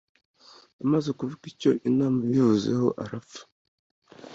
amaze kumva icyo inama yabivuzeho arapfa